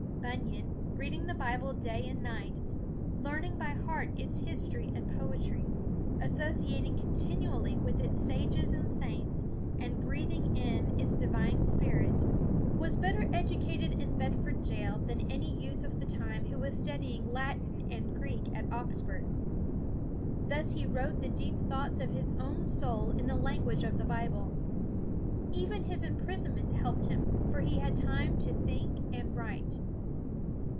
Bunyan, reading the Bible day and night, learning by heart its history and poetry, associating continually with its sages and saints, and breathing in its divine spirit, 270 BUNYAN was better educated in Bedford jail than any youth of the time who was studying Latin and Greek at Oxford. Thus he wrote the deep thoughts of his own soul in the language of the Bible. Even his imprisonment helped him, for he had time to think and write.